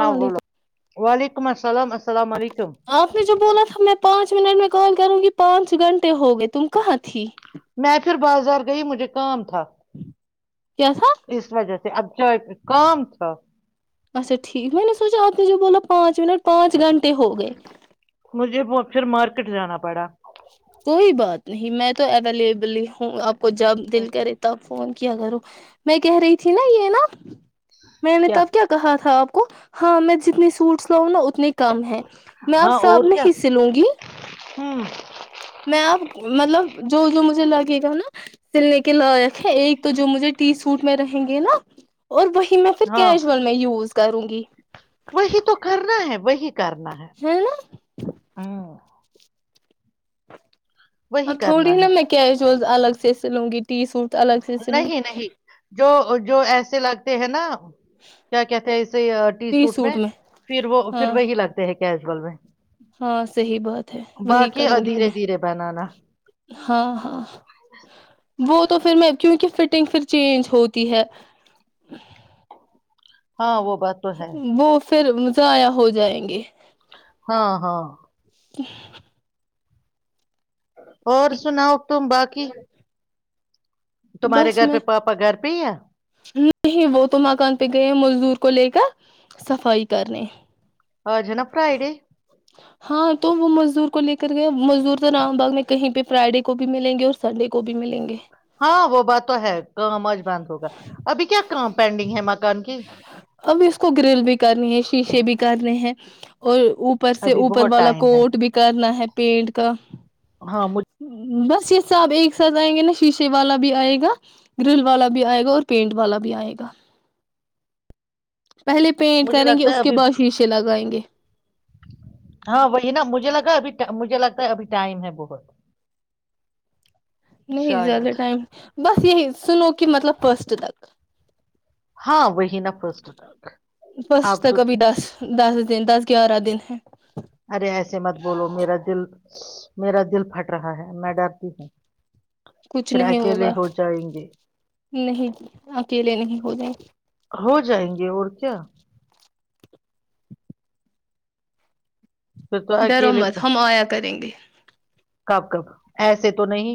ہاں بولو علیکم وعلیکم السلام السلام علیکم آپ نے جو بولا تھا میں پانچ پانچ منٹ میں کال کروں گی پانچ گھنٹے ہو گئے تم کہاں تھی میں پھر بازار گئی مجھے کام تھا کیا تھا اس وجہ سے اب چ کام تھا اچھا ٹھیک میں نے سوچا آپ نے جو بولا پانچ منٹ پانچ گھنٹے ہو گئے مجھے پھر مارکیٹ جانا پڑا کوئی بات نہیں میں تو اویلیبل ہی ہوں آپ کو جب ہوں، دل کرےتا فون کیا کروں میں کہہ رہی تھی نا یہ نا میں نے تب کیا کہا تھا اپ ہاں میں جتنے سوٹس لاؤں نا اتنے کم ہے میں ہاں آپ سے اب اور کیا نہیں سلوں گی ہوں میں آپ مطلب جو جو مج لگے گا نا سلنے کے لائق ہے ایک تو جو مجھے ٹی سوٹ میں رہیں گے نا اور وہی میں پھر ہاں کیجل میں یوز کروں گی وہی تو کرنا ہے وہی کرنا ہے ہوں [unintelligible] اور وہی تھوڑی کرنا ہے نا میں کیا جو الگ سے سلنگی نہیں نہیں جو جو ایسے لگتے ہیں نا کیا کہتے ہیں اس ٹی سوٹ میں پھر وہ پھر ہاں وہی لگتے ہیں کیجول میں ہاں صحی بات ہے وہی باقی کروں گی دھیرے میں دھیرے بنانا ہاں ہاں وہ تو پھر میں کیونکہ فٹنگ پھر چینج ہوتی ہے ہاں وہ بات تو ہے وہ پھر مز آیا ہو جائیں گے [unintelligible] ہاں ہاں س [unintelligible] اور سناؤ تم باقی تمہارے بس گھر پہ میں پاپا گھر پہ ہے نہیں وہ تو مکان پہ گئے ہیں مزدور کو لے کر صفائی کرنے آ جنپرائی ڈے [unintelligible] ہاں تو وہ مزدور کو لے کر گئے مزدور تو رام باغ میں کہیں پہ فرائیڈے کو بھی ملیں گے اور سنڈے کو بھی ملیں گے ہاں وہ بات تو ہے کام آج بند ہوگا ابھی کیا کام پینڈنگ ہے مکان کی اب اس کو گرل بھی کرنی ہے شیشے بھی کرنے ہیں اور اوپر سے ابھی اوپر بہت والا ٹائم ہے کوٹ بھی کرنا ہے پینڑ کا ہ ہاں مجھ- بس اس سے آپ ایک ساتھ آئیں گے نا شیشے والا بھی آئے گا گرل والا بھی بھی آئے گا اور پینٹ والا بھی آئے گا پہلے پینٹ مجھے کریں گے لگتا ہے اس کے ابھی بعد شیشے لگائیں گے ہاں وہی نا مجھے لگا ابھی مجھے لگتا ابھی ٹائم ہے بہت نہیں زیادہ شاید ٹائم بس ص سنوک کہ مطلب فسٹ تک ہاں وہی نا فسٹ ا تیک فسٹ تک ابھی دس دس دن دس گیارہ دن ہے ارے ایسے مت بولو میرا دل میرا دل پھٹ رہا ہے میں ڈرتی ہوں کچھ پھر نہیں اکیلے ہوگا ہو جائیں گے نہیں اکیلے نہیں ہو گائ یہ ارچ پھر تو ڈر و اکیلے مت ہم آیا کریں گے کب کب ایسے تو نہیں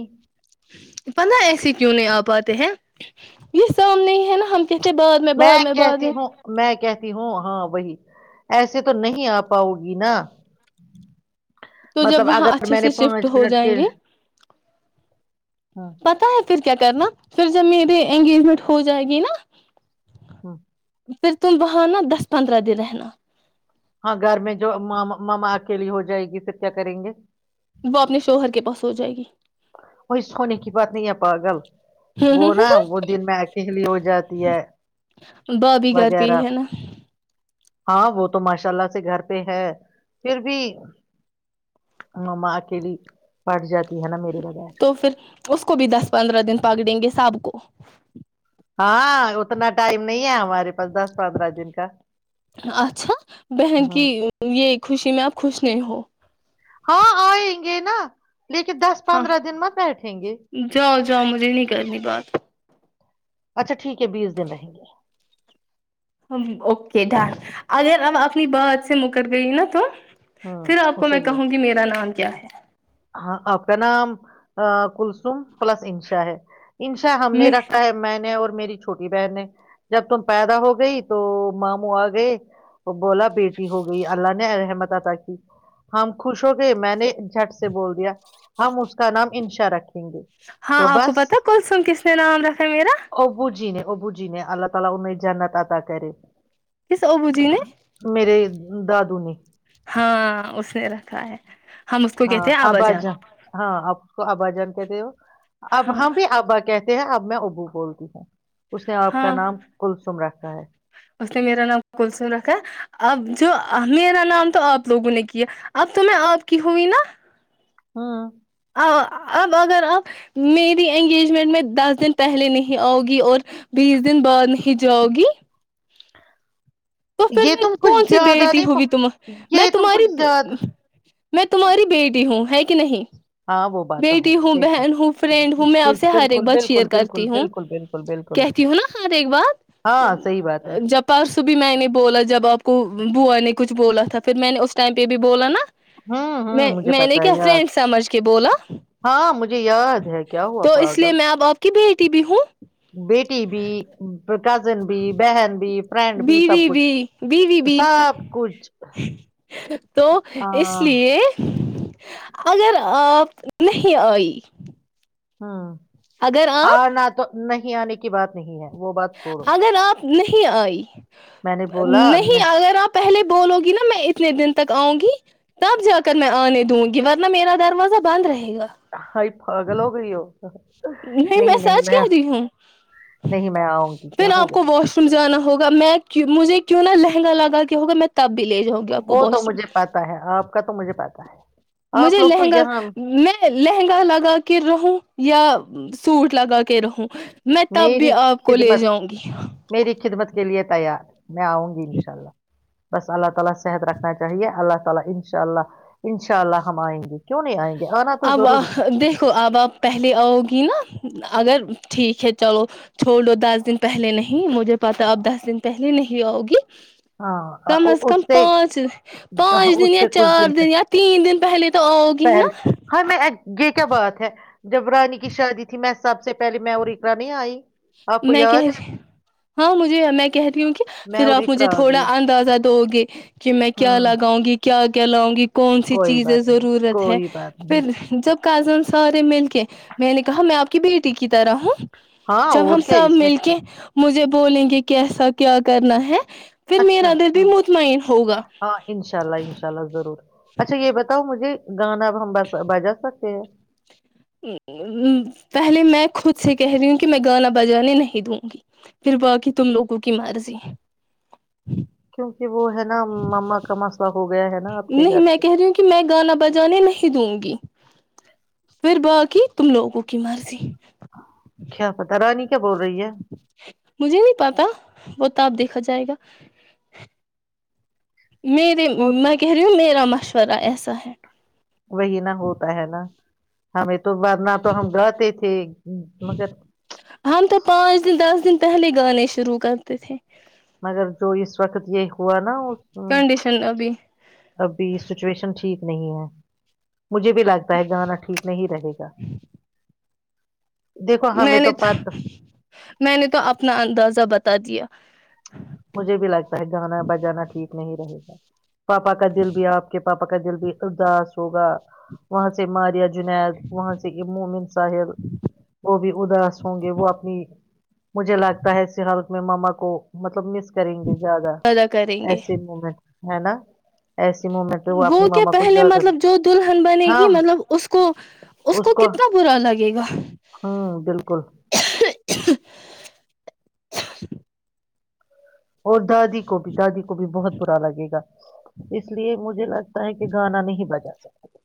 پند ایسے کیوں نہیں آ پاتے ہیں ج س ہم نہیں ہے نا ہم کہ میں کہتی ہوں میں کہتی ہوں ہاں وہی ایسے تو نہیں آ پاؤ گی نا تو جب مطلب وہاں اگر اچھے میں نے سے شفٹ پانچ ہو منٹ کے جائیں گے ہاں پتا ہے پھر کیا کرنا پھر جب میرے انگیجمنٹ ہو جائے گی نا ہاں پھر تم وہاں نا دس پندرہ دن رہنا ہاں گھر میں جو ما ماما اکیلی ہو جائے گی تو کیا کریں گے وہ اپنے شوہر کے پاس ہو جائے گی وہی سونے کی بات نہیں ہے پاگل وہ نا وہ دن میں اکیلی ہو جاتی ہے بھابھی گھر پہ وغیرہ ہی ہے نا ہاں وہ تو ماشاء اللہ سے گھر پہ ہے پھر بھیاں اکیلی پٹ جاتی ہے نا میرے بغیر تو پھر اس کو بھی دس پندرہ دن پکڑیں گے ساب کو ہاں اتنا ٹائم نہیں ہے ہمارے پ اچھا بہن کی ہاں یہ خوشی میں آپ خوش س ہو ہاں آئیں گے نا لیکن دس ہاں پندرہ دن مت بیٹھیں گے جاؤ جاؤ مجھے نہیں کرنی بات اچھا ٹھیک ہے کے بیس دن رہیں گے اوکے ڈن اگر اب اپنی بات سے مکر گئی نا تم پھر آپ ہوں کو میں صحیح ہے کہوں گی میرا نام کیا ہے ہاں آپ کا نام کلسم پلس انشا ہے انشا ہم ہے نے رکھا ہے میں نے اور میری چھوٹی بہن ہے جب تم پیدا ہو گئی تو ماموں آ گئے اور بولا بیٹی ہو گئی اللہ نے رحمت عطا کی ہم خوش ہو گئے میں نے جٹ سے بول دیا ہم اس کا نام انشا رکھے ہاں آپ کو پتا ہے کلسم کس نے نام رکھا ہے میرا ابو جی نے ابو جی نے اللہ تعالی ان کو جنت عطا کرے کس ابو جی نے میرے دادو نے ہاں اس نے رکھا ہے ہم اس کو ہاں کہتے ہیں ابا جان ہاں آپ اس کو اب ابا جان کہتے ہو اب ہاں ہم بھی ابا کہتے ہے اب میں ابو بولتی ہوں اس نے آپ کا ہاں نام کلسم رکھ کھا ہے اس نے میرا نام کلسم رکھا ہے اب جو میرا نام تو آپ لوگوں نے کیا ہے اب تو میں آپ کی ہوی نا ہاں اب اگر اپ میری انگیجمنٹ میں دس دن پہلے نہیں آؤگی اور بیس دن بعد نہیں جاؤ گی تو پھر یہ میں تم کچھ کون سی زیادہ بیٹی نہیں ہوی تم پ- میں یہ تم کچھ تمہاری زیادہ میں تمہاری بیٹی ہوں ہے کہ کہ نہیں ہاں وہ بات تو ہے بیٹی ہوں بیٹی بہن ہوں فرینڈ ہوں میں آپ سے ہر ایک بالکل بات بالکل شیئر بالکل کرتی ہوں بالکل بالکل بالکل کہتی ہوں نا ہر ایک بات ہاں صحیح بات ہے جب پرسوں میں نے بولا جب آپ کو بوا نے کچھ بولا تھا پھر میں نے اس ٹائم پہ بھی بولا نا ہوں میں ہوں مجھے میں نے پتا ہے کیا یاد فرینڈ سمجھ کے بولا ہاں مجھے یاد ہے کیا ہوا تو اس لیے پاگل میں اب آپ کی بیٹی تی بھی ہوں بیٹی بھی کزن بھی بہن بھی فرینڈ بیوی سب کچھ بھی بیوی بھی سب کچھ تو اس ہاں لیے اگر آپ نہیں آئی ہاں اگر آپ آنا تو نہیں نہیں آنے کی بات نہیں ہے وہ بات چھوڑو اگر آپ نہیں آئی میں نے ج بولا نہیں اگر آپ پہلے بھی بولو گی نا میں اتنے دن تک آؤں گی تب جا کر میں آنے دوں گی ورنہ میرا دروازہ بند رہے [inaudible] پگل ہو گئی ہو نہیں میں سچ کہ رہ ہوں نہیں میں آؤں گی کیا پھر ہو آپ کو گیا واش روم جانا ہوگا میں مجھے کیوں نہ لہنگا لگا کے ہوگا میں تب بھی لے جاؤ گی آپ کو وہ تو واش روم مجھے پتا ہے آپ کا تو مجھے پتا ہے آپ مجھے لوگ تو لہنگا یہاں میں لہنگا لگا کے رہوں یا سوٹ لگا کے رہو میں تب بھی میری آپ کو لے خدمت جاؤں گی میری خدمت کے لیے تیار میں آؤں گی ان شاء اللہ تعالیٰ صحت رکھنا چاہیے اللہ تعالیٰ انشاءاللہ انشاءاللہ ہم آئیں گے کیوں نہیں آئیں گے آنا تو اب ضروری ہے دیکھو اب آپ پہلے آؤ گی نا اگر ٹھیک ہے چلو چھوڑ لو دس دن پہلے نہیں مجھے پتا اب دس دن پہلے نہیں آؤگی ہاں کم از کم اس سے پانچ پانچ دن اس یا سے کچھ چار دن یا تین دن پہلے تو آؤ گی پہل نا ہاں میں یہ کیا بات ہے جب رانی کی شادی تھی میں حساب سے پہے میں اریقا نہیں آئی آپ کو میں یاد کہی ہے ہاں مجھے میں کہہ رہی ہوں کہ پھر اور رپ میں اقرا آ تھوڑا گئی اندازہ تو گے ج میں کیا ہوں لاگاؤں گی کیا کیا لاوں گی کون سی کوئی چیزیں بات نہیں ضرورت ہے کوئی بات نہیں پھر جب کازن سارے مل کے میں نے کہا میں آپ کی بیٹی کی طرح ہوں ہاں جب اور ہم کیا سب اس میں مل کے مجھے بولیں گے کیسا کیا کرنا ہے پھر اچھا میرا دل ہ بھی مطمئن ہوگا ہاں انشاء اللہ انشاء اللہ ضرور اچھا یہ بتاؤ مجھے گانا اب ہم ب بجا سکے پہلے میں خود سے کہہ رہی ہوں کہ میں گانا بجانے نہیں دوں گی پھر باقی تم لوگوں کی مرضی [unintelligible] وہ ہے نا مما کا مسا ہو گیا ہے نا آپ کے نہیں گھر میں پہ گ پھر ب کی تم لوگ کوکی مارسی کیا پتا رانی کا مجھے نہیں پتا ب تو آب دیکھا جائے گا میرری ہو میں کہ میرا مشورہ طرا ایسا ہے وہی نا ہوتا ہے نا ہمیں تو تو بد نہ تو ہم گتے تھے مگر ہم تو پانچ دن دس دن پہلے گانے شروع کرتے تھے مگر جو اس وقت یہ ہوا نا ہوں کنڈیشن ابھی ابھی سچویشن ٹھیک نہیں ہے مجھے بھی لگتا ہے گانا ٹھیک نہیں رہے گا دیکھو ہمیں میں نے تو پت میں نے تو اپنا اندازہ بتا دیا مجھے بھی لگتا ہے گانا بجانا ٹھیک نہیں رہے گا پاپا کا دل بھی آپ کے پاپا کا جلدی اداس ہوگا وہاں سے ماریا ج جد وہاں سے اومن ساحل وہ بھی اداس ہوں گے وہ اپنی مجھے لگتا ہے س ہل میں ماما کو مب کریں گے زیادہ ادا کریں گے ایسے موومنٹ ہے نا وہ کیا ماما کو پہلے زیادہ مطلب جو دلہن بنے گی ہم مطلب اس کو اس کو کتنا برا لگے گا ہوں بالکل اور دادی کو بھی دادی کو بھی بہت برا لگے گا اس لیے مجھے لگتا ہے کہ گانا نہیں بجا سکتے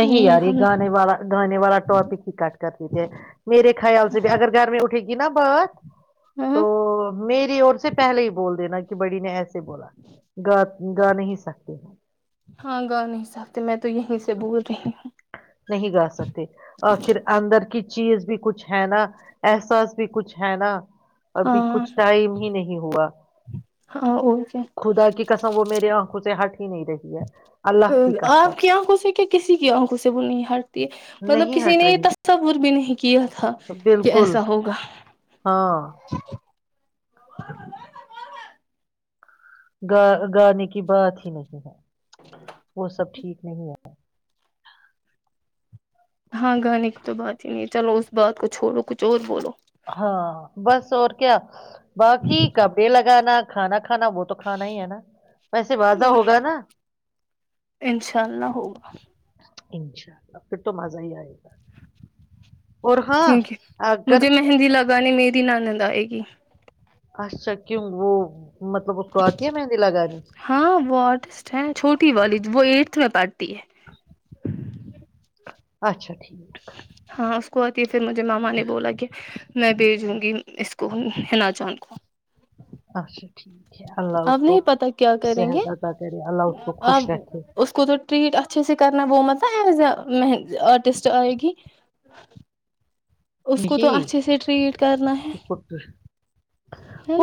نہیں یار یہ گانے والا گانے والا ٹاپک ہی کٹ کر لیتے ہیں میرے خیال سے بھی اگر گھر میں اٹھے گ [unintelligible] تو ہاں میری اور سے بولتے ہیںا کہ بڑی نے ایسے بولا گا گا نہیں سکتی ہ ہاں گاؤ نہیں سابتے میں تو یہیں سے بول رہی ہوں نہیں گا سکتے آخر اندر کی چیز بھی کچھ ہے نا احساس بھی کچھ ہے نا ابھی ہاں کچھ ٹائم ہی نہیں ہوا ہاں اور کیا خدا کی قسم وہ میری آنکھوں سے ہٹ [inaudible] ہے اللہ کی آپ قسم کی آنکھوں سے کیا کسی کی آنکھوں سے وہ نہیں ہارتی ہے مطلب نہیں کسی ہٹ نے یہ رہی تصور بھی نہیں کیا تھا کہ بالکل ایسا ہوگا [inaudible] ہاں گا گانے کی بات ہی نہیںظر ہے وہ سب ٹھیک نہیں ہے ہاں گانے کی تو بات ہی نہیں ہے چلو اس بات کو چھوڑو کچھ اور بولو ہاں بس اور کیا باقی کپڑے لگانا کھانا کھانا وہ تو کھانا ہی ہے نا ویسے بازہ ہوگا نا انشاء اللہ ہوگا انشاء اللہ پھر تو مزہ ہی آئے گا اور ہاں اگر می لگا نہیں میری ننند آئے گی اچھا کیوں وہ مطلب اس کو آتی ہے مہندی لگانی ہاں وہ آرٹسٹ ہے چھوٹی والی وہ ای میں پڑتی ہے اچھا ٹھیک ہاں کوک [inaudible] پھر مجھے ماما نے بولا کہ میں بھیجوں گی اس کو حا جان کو اچھا اب نہیں پتا کیا کریں گے اب [unintelligible] اس کو تو ٹریٹ اچ چسی یہ کرنا وہومتا ایوز اےند آرٹسٹ آئ گی اس کو تو اچھے نہیں سے ٹریٹ کرنا ہے اس کو نا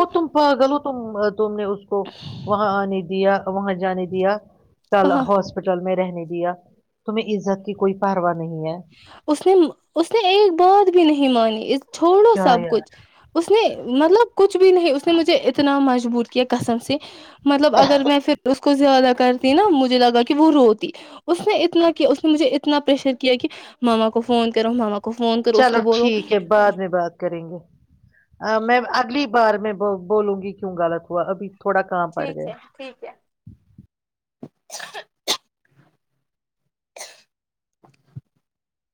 تو [unintelligible] تم نے اس کو وہاں آنے دیا وہاں جانے دیا کہاں ہاسپٹل میں رہ نہیں دیا تمہیں عزت کی کوئی پرارو اس نے اس نے ایک بات بھی نہیں مانی چھوڑو کیا سب یار کچھ اس نے مطلب کچھ بھی نہیں اس نے مجھے اتنا مجبور کیا کسم سے مطلب اگر میں پھر اس کو زیادہ کرتی نا مجھے لگا کہ وہ روتی اس نے اتنا کیا اس نے مجھے اتنا پریشر کیا کیا کہ ماما کو فون کرو ماما کو فون کرو اس چلو کو بولو ٹھیک ہے بعد میں بات کریں گے میں اگلی بار میں بولوں گی کیوں غلط ہوا ابھی تھوڑا کام پڑ ٹھیک گیا ہے ٹھیک ہے [inaudible] [inaudible]